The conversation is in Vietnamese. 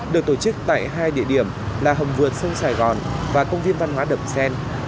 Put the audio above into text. được tổ chức tại hai địa điểm là hầm vượt sông sài gòn và công viên văn hóa đầm xen